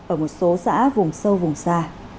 ở một số xã vùng sâu vùng xa